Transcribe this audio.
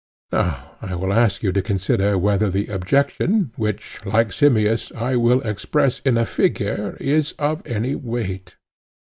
Now I will ask you to consider whether the objection, which, like Simmias, I will express in a figure, is of any weight.